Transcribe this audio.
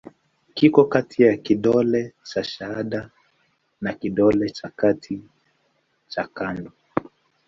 Kiko kati ya kidole cha shahada na kidole cha kati cha kando.